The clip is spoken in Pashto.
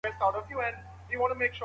نرسان د شپې لخوا څنګه کار کوي؟